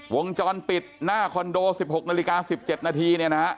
วงจรปิดหน้าคอนโด๑๖นาฬิกา๑๗นาทีเนี่ยนะฮะ